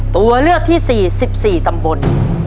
ตัวเลือกที่๔๑๔ตำบล